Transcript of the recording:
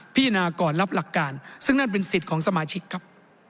พิจารณาก่อนรับหลักการซึ่งนั่นเป็นสิทธิ์ของสมาชิกครับ